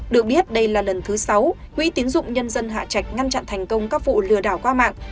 được biết đây là lần thứ sáu quỹ tín dụng nhân dân hạ trạch ngăn chặn thành công các vụ lừa đảo qua mạng